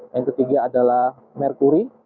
yang ketiga adalah merkuri